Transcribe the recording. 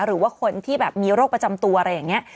หรือว่าคนที่แบบมีโรคประจำตัวอะไรอย่างนี้